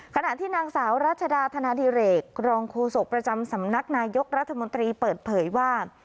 ขณะที่นางสาวรัชดาธนาดิเรกรองโฆษกประจำสำนักนายกรัฐมนตรีเปิดเผยว่า